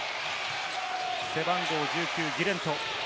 背番号１９、ギレント。